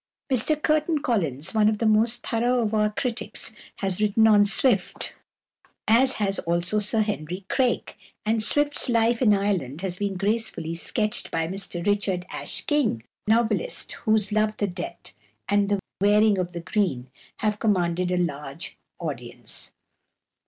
Mr Churton Collins, one of the most thorough of our critics, has written on Swift, as has also Sir Henry Craik; and Swift's life in Ireland has been gracefully sketched by Mr Richard Ashe King, a novelist whose "Love the Debt" and "The Wearing of the Green" have commanded a large audience.